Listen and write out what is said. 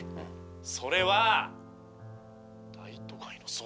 「それは大都会の空」